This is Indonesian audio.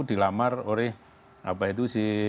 dilamar oleh apa itu